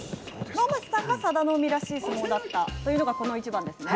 能町さんが佐田の海らしい相撲だったというのが、この一番ですね。